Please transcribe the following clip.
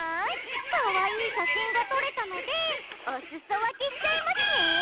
かわいい写真が撮れたのでお裾分けしちゃいますね。